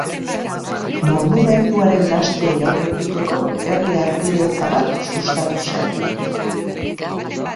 Monumentuaren gastuei aurre egiteko herri-harpidetza bat sustatu zen.